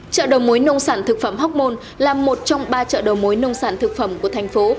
chợ đầu mối nông sản thực phẩm hóc môn là một trong ba chợ đầu mối nông sản thực phẩm của thành phố